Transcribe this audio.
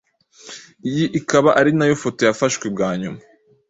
iyi ikaba ari nayo foto yafashwe bwa nyuma